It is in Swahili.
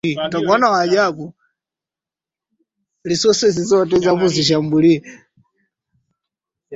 inaongozwa na ufa na utawala wa kifalme